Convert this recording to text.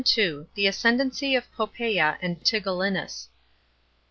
— THE ASCENDENCY OF POPP^JA AND TIGELLINUS.